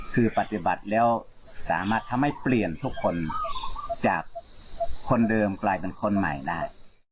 คือปฏิบัติแล้วสามารถทำให้เปลี่ยนทุกคนจากคนเดิมกลายเป็นคนใหม่ได้